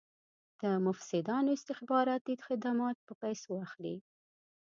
د مفسدانو استخباراتي خدمات په پیسو اخلي.